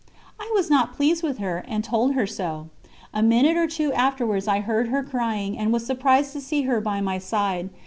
I was not pleased with her, and told her so. A minute or two afterwards I heard her crying, and was surprised to see her by my side.